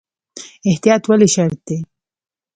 احتیاط ولې شرط دی؟